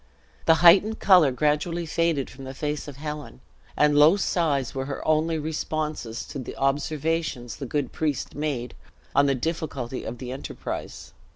The heightened color gradually faded from the face of Helen, and low sighs were her only responses to the observations the good priest made on the difficulty of the enterprise.